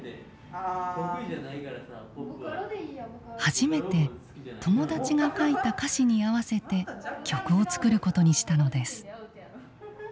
初めて友達が書いた歌詞に合わせて曲を作ることにしたのです。